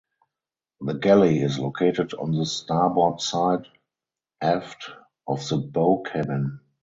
The galley is located on the starboard side aft of the bow cabin.